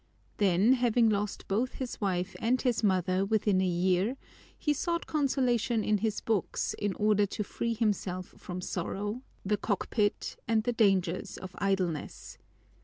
Then having lost both his wife and his mother within a year, he sought consolation in his books in order to free himself from sorrow, the cockpit, and the dangers of idleness.